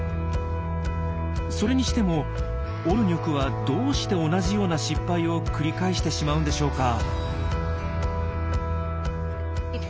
それにしてもオルニョクはどうして同じような失敗を繰り返してしまうんでしょうか？